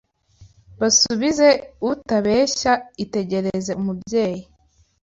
Basubize utabeshya Itegereze umubyeyi